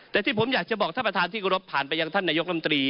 แต่ที่ผมอยากจะบอกท่านประธานที่กรบผ่านไปยังท่านนายกรมตรี